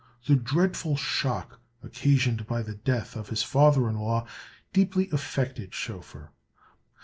The dreadful shock occasioned by the death of his father in law, deeply affected Schoeffer.